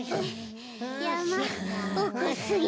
やまおくすぎる。